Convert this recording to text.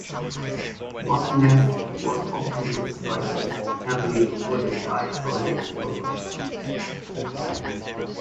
Rottnest was often described as heavily wooded by early explorers.